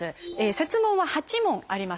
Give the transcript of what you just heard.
設問は８問あります。